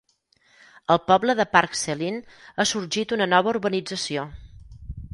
Al poble de Parc Celyn ha sorgit una nova urbanització.